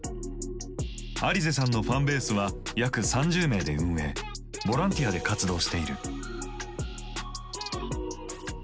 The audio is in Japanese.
アリゼさんのファンベースは約３０名で運営ボランティアで活動している。